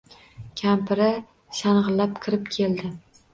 Kampiri shang‘illab kirib keldi.